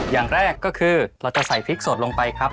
อย่างแรกก็คือเราจะใส่พริกสดลงไปครับ